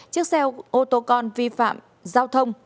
chiếc xe ô tô con vi phạm giao thông